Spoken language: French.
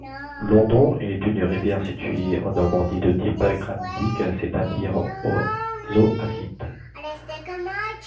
L'Odon est une rivière située en Normandie de type granitique c'est-à-dire aux eaux acides.